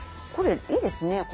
これいいですね。